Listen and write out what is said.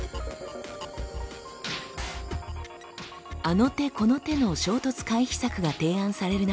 あの手この手の衝突回避策が提案される